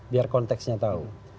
biar konteksnya tahu